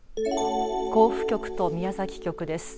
甲府局と宮崎局です。